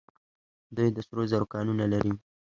دوی د سرو زرو کانونه لري.